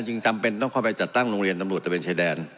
จำเป็นต้องเข้าไปจัดตั้งโรงเรียนตำรวจตะเวนชายแดน